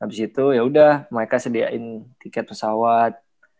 abis itu yaudah mereka sediain tiket pesawat